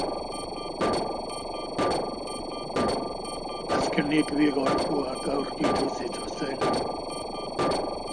Hitzordura azaltzen ez zirenez, etxera joan eta bi gorpuak aurkitu zituzten.